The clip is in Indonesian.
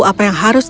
apa yang harus